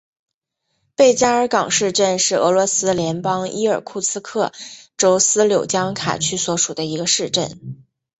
贝加尔港市镇是俄罗斯联邦伊尔库茨克州斯柳江卡区所属的一个市镇。